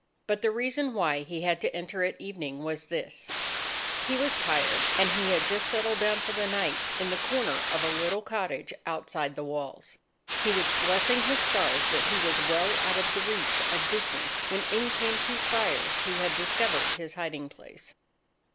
But the reason why he had to enter at evening, was this: He was tired, and he had just settled down for the night in the corner of a little cottage outside the walls. He was blessing his stars that he was well out of the reach of business, when in came two Friars, who had discovered his hiding place.